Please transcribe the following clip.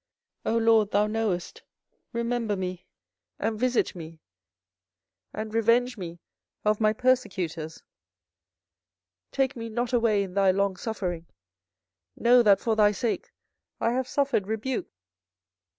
24:015:015 O LORD, thou knowest: remember me, and visit me, and revenge me of my persecutors; take me not away in thy longsuffering: know that for thy sake I have suffered rebuke.